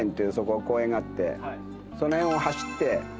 その辺を走って朝。